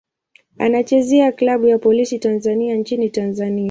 Anachezea klabu ya Polisi Tanzania nchini Tanzania.